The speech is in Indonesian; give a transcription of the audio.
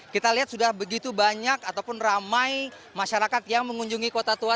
kita lihat sudah begitu banyak ataupun ramai masyarakat yang mengunjungi kota tua